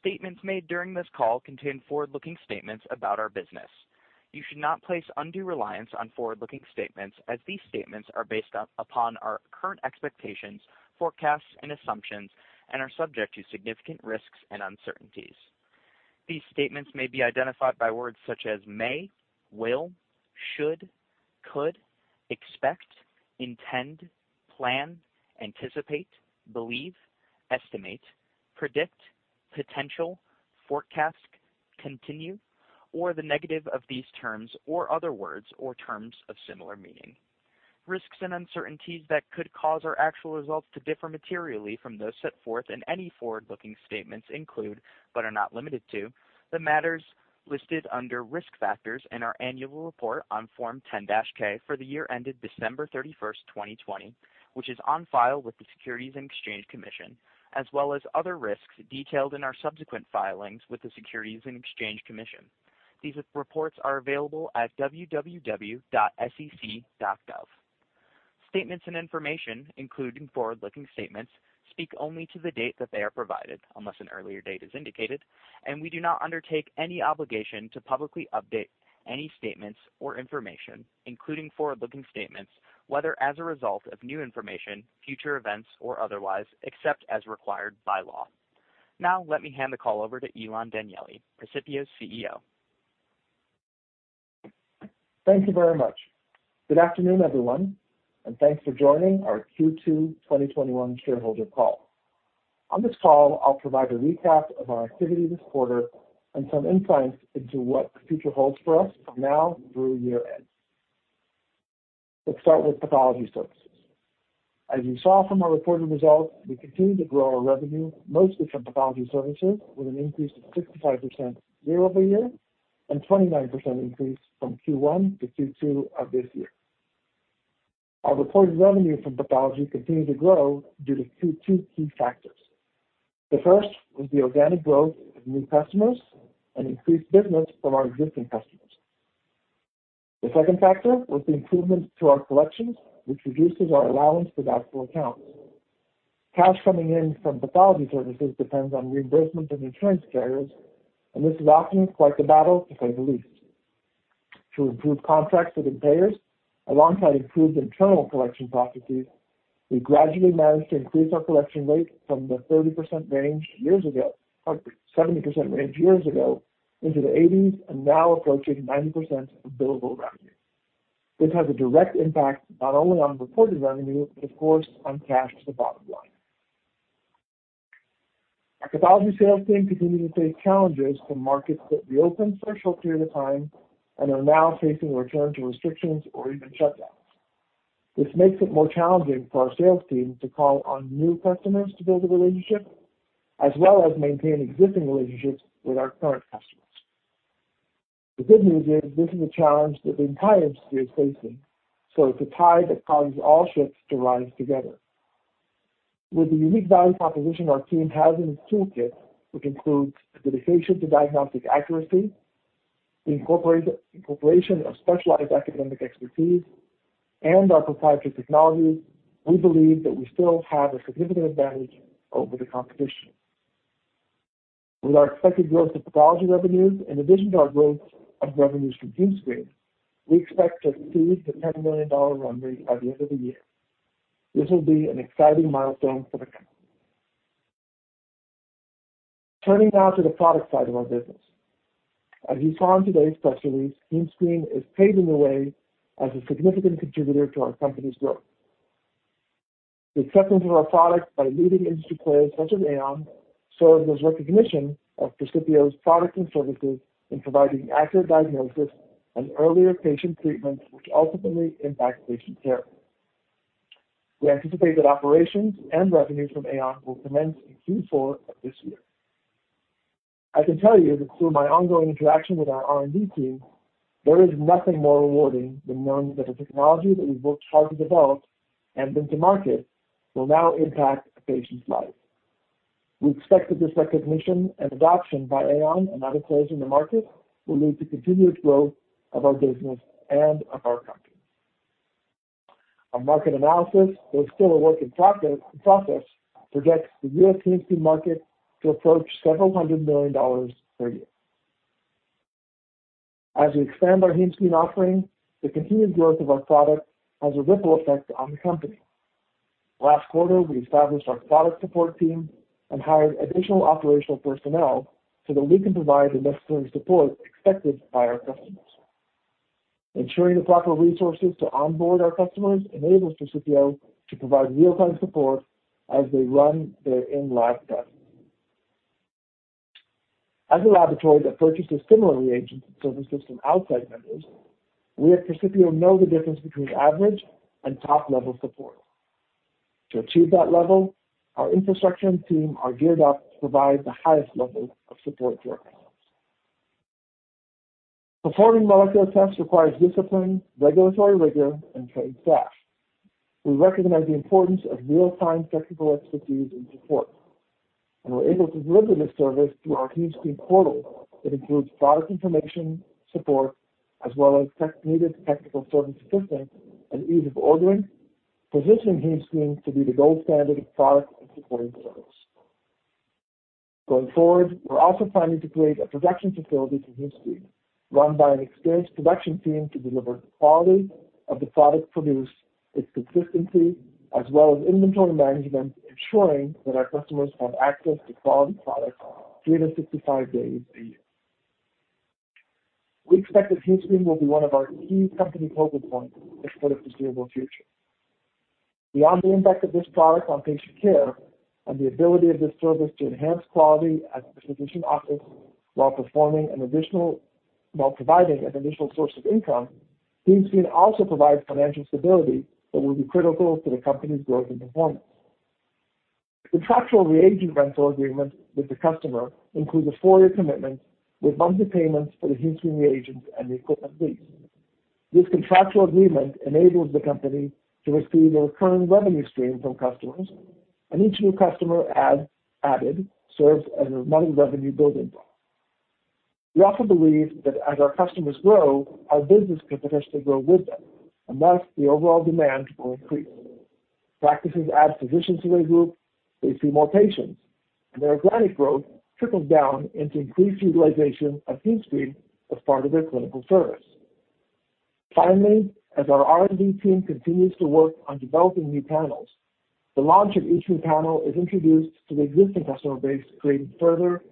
Statements made during this call contain forward-looking statements about our business. You should not place undue reliance on forward-looking statements, as these statements are based upon our current expectations, forecasts, and assumptions and are subject to significant risks and uncertainties. These statements may be identified by words such as may, will, should, could, expect, intend, plan, anticipate, believe, estimate, predict, potential, forecast, continue, or the negative of these terms, or other words or terms of similar meaning. Risks and uncertainties that could cause our actual results to differ materially from those set forth in any forward-looking statements include, but are not limited to, the matters listed under Risk Factors in our annual report on Form 10-K for the year ended December 31st, 2020, which is on file with the Securities and Exchange Commission, as well as other risks detailed in our subsequent filings with the Securities and Exchange Commission. These reports are available at www.sec.gov. Statements and information, including forward-looking statements, speak only to the date that they are provided, unless an earlier date is indicated, and we do not undertake any obligation to publicly update any statements or information, including forward-looking statements, whether as a result of new information, future events, or otherwise, except as required by law. Now, let me hand the call over to Ilan Danieli, Precipio's CEO. Thank you very much. Good afternoon, everyone, and thanks for joining our Q2 2021 shareholder call. On this call, I'll provide a recap of our activity this quarter and some insights into what the future holds for us from now through year-end. Let's start with Pathology Services. As you saw from our reported results, we continued to grow our revenue, mostly from Pathology Services, with an increase of 65% year-over-year and 29% increase from Q1 to Q2 of this year. Our reported revenue from pathology continued to grow due to two key factors. The first was the organic growth of new customers and increased business from our existing customers. The second factor was the improvement to our collections, which reduces our allowance for doubtful accounts. Cash coming in from Pathology Services depends on reimbursement from insurance carriers, and this is often quite the battle, to say the least. To improve contracts with insurers, alongside improved internal collection processes, we gradually managed to increase our collection rate from the 30% range years ago, or the 70% range years ago into the 80s and now approaching 90% of billable revenue. This has a direct impact not only on reported revenue, but of course on cash to the bottom line. Our Pathology Services sales team continue to face challenges from markets that reopened for a short period of time and are now facing a return to restrictions or even shutdowns. This makes it more challenging for our sales team to call on new customers to build a relationship as well as maintain existing relationships with our current customers. The good news is this is a challenge that the entire industry is facing, so it's a tide that causes all ships to rise together. With the unique value proposition our team has in its toolkit, which includes a dedication to diagnostic accuracy, the incorporation of specialized academic expertise, and our proprietary technology, we believe that we still have a significant advantage over the competition. With our expected growth of pathology revenues, in addition to our growth of revenues from HemeScreen, we expect to exceed the $10 million run rate by the end of the year. This will be an exciting milestone for the company. Turning now to the product side of our business. As you saw in today's press release, HemeScreen is paving the way as a significant contributor to our company's growth. The acceptance of our product by leading industry players such as AON serves as recognition of Precipio's products and services in providing accurate diagnosis and earlier patient treatments, which ultimately impact patient care. We anticipate that operations and revenues from AON will commence in Q4 of this year. I can tell you that through my ongoing interaction with our R&D team, there is nothing more rewarding than knowing that the technology that we've worked hard to develop and bring to market will now impact a patient's life. We expect that this recognition and adoption by AON and other players in the market will lead to continuous growth of our business and of our company. Our market analysis, though still a work in process, projects the U.S. HemeScreen market to approach several hundred million dollars per year. As we expand our HemeScreen offering, the continued growth of our product has a ripple effect on the company. Last quarter, we established our product support team and hired additional operational personnel so that we can provide the necessary support expected by our customers. Ensuring the proper resources to onboard our customers enables Precipio to provide real-time support as they run their in-lab tests. As a laboratory that purchases similar reagents and services from outside vendors, we at Precipio know the difference between average and top-level support. To achieve that level, our infrastructure and team are geared up to provide the highest level of support to our customers. Performing molecular tests requires discipline, regulatory rigor, and trained staff. We recognize the importance of real-time technical expertise and support, and we're able to deliver this service through our HemeScreen portal that includes product information, support, as well as needed technical service assistance and ease of ordering, positioning HemeScreen to be the gold standard of product and supporting service. Going forward, we're also planning to create a production facility for HemeScreen, run by an experienced production team to deliver the quality of the product produced, its consistency, as well as inventory management, ensuring that our customers have access to quality products 365 days a year. We expect that HemeScreen will be one of our key company focal points for the foreseeable future. Beyond the impact of this product on patient care and the ability of this service to enhance quality at the physician office while providing an additional source of income, HemeScreen also provides financial stability that will be critical to the company's growth and performance. The contractual reagent rental agreement with the customer includes a four-year commitment with monthly payments for the HemeScreen reagents and the equipment lease. This contractual agreement enables the company to receive a recurring revenue stream from customers, and each new customer added serves as a monthly revenue building block. We also believe that as our customers grow, our business can potentially grow with them, and thus the overall demand will increase. Practices add physicians to their group, they see more patients, and their organic growth trickles down into increased utilization of HemeScreen as part of their clinical service. Finally, as our R&D team continues to work on developing new panels, the launch of each new panel is introduced to the existing customer base, creating further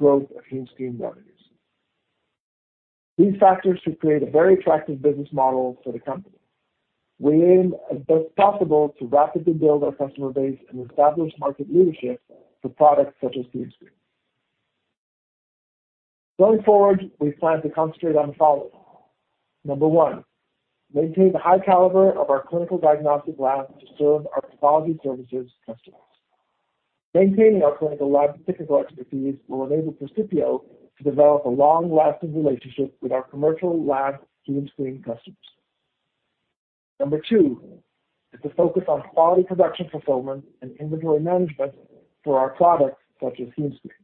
growth of HemeScreen revenues. These factors should create a very attractive business model for the company. We aim, if possible, to rapidly build our customer base and establish market leadership for products such as HemeScreen. Going forward, we plan to concentrate on the following. Number one, maintain the high caliber of our clinical diagnostic lab to serve our Pathology Services customers. Maintaining our clinical lab technical expertise will enable Precipio to develop a long-lasting relationship with our commercial lab HemeScreen customers. Number two is to focus on quality production fulfillment and inventory management for our products such as HemeScreen.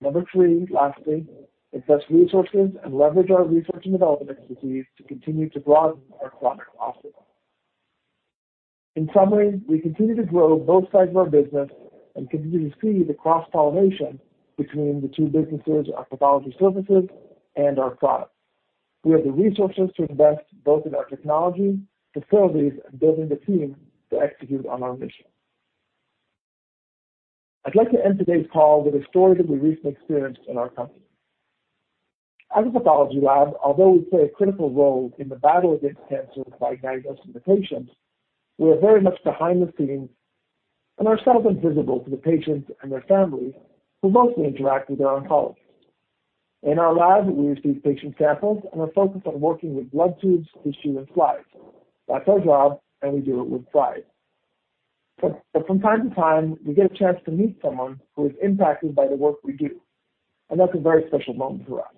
Number three, lastly, invest resources and leverage our research and development expertise to continue to broaden our product offering. In summary, we continue to grow both sides of our business and continue to see the cross-pollination between the two businesses, our Pathology Services and our products. We have the resources to invest both in our technology, facilities, and building the team to execute on our mission. I'd like to end today's call with a story that we recently experienced in our company. As a pathology lab, although we play a critical role in the battle against cancer by diagnosing the patients, we are very much behind the scenes and ourselves invisible to the patients and their families who mostly interact with their oncologists. In our lab, we receive patient samples and are focused on working with blood tubes, tissue, and slides. That's our job, and we do it with pride. From time to time, we get a chance to meet someone who is impacted by the work we do, and that's a very special moment for us.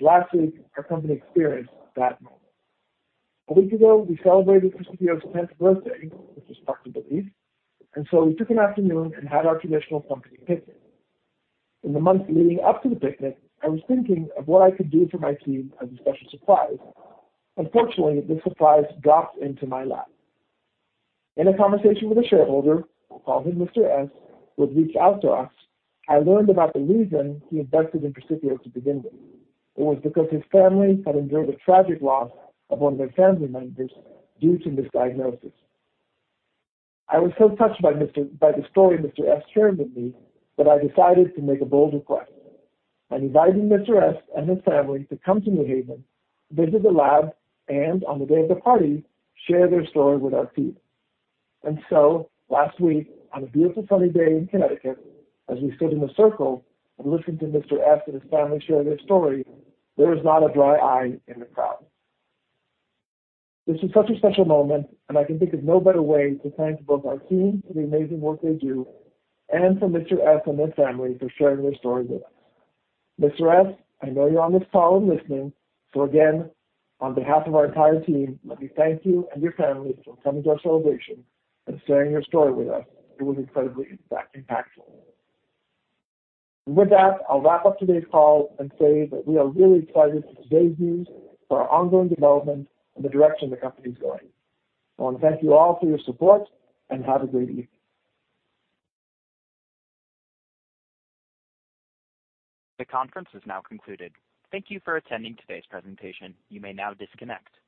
Last week, our company experienced that moment.A week ago, we celebrated Precipio's 10th birthday, which is hard to believe. We took an afternoon and had our traditional company picnic. In the months leading up to the picnic, I was thinking of what I could do for my team as a special surprise. Fortunately, this surprise dropped into my lap. In a conversation with a shareholder, we'll call him Mr. S, who had reached out to us. I learned about the reason he invested in Precipio to begin with. It was because his family had endured a tragic loss of one of their family members due to misdiagnosis. I was so touched by the story Mr. S shared with me that I decided to make a bold request. I invited Mr. S and his family to come to New Haven, visit the lab, and on the day of the party, share their story with our team. Last week, on a beautiful sunny day in Connecticut, as we stood in a circle and listened to Mr. S and his family share their story, there was not a dry eye in the crowd. This was such a special moment, and I can think of no better way to thank both our team for the amazing work they do and for Mr. S and his family for sharing their story with us. Mr. S, I know you're on this call and listening, so again, on behalf of our entire team, let me thank you and your family for coming to our celebration and sharing your story with us. It was incredibly impactful. With that, I'll wrap up today's call and say that we are really excited for today's news, for our ongoing development, and the direction the company is going. I want to thank you all for your support, and have a great evening. This conference is now concluded. Thank you for attending today's presentation. You may now disconnect.